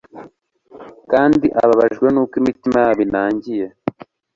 Kandi ababajwe nuko imitima yabo inangiye